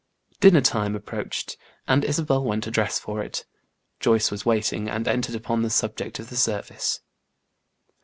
Dinner time approached, and Isabel went to dress for it. Joyce was waiting, and entered upon the subject of the service.